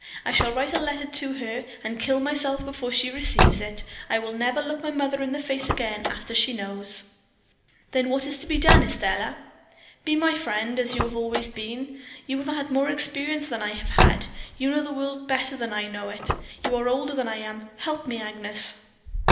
I shall write a letter to her, and kill myself before she receives it. I will never look my mother in the face again after she knows.' "'Then what is to be done, Estelle?' "'Be my friend, as you have always been. You have had more experience than I have had: you know the world better than I know it. You are older than I am; help me, Agnes.'